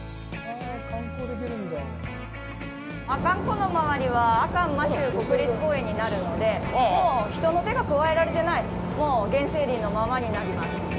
阿寒湖の回りは阿寒摩周国立公園になるので人の手が加えられていない原生林のままになります。